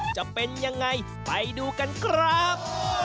จะเป็นยังไงไปดูกันครับ